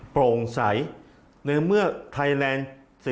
โปร่งใสในเมื่อไทยแลนด์